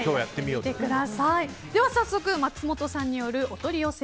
では早速、松本さんによるお取り寄せＯＫ